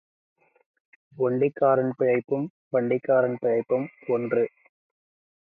ஒண்டிக்காரன் பிழைப்பும் வண்டிக்காரன் பிழைப்பும் ஒன்று.